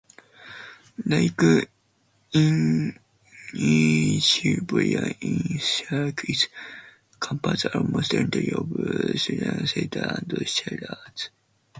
Like Inishbofin, Inishark is composed almost entirely of Silurian slates and shales.